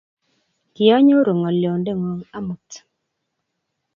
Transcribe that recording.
kionyoru ngolionte ngung amut.